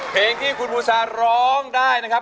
เพลงที่คุณบูซาร้องได้นะครับ